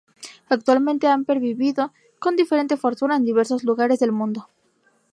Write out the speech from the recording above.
Actualmente han pervivido con diferente fortuna en diversos lugares del mundo.